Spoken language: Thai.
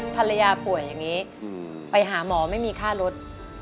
ภรรยาป่วยอย่างนี้ไปหาหมอไม่มีค่ารถ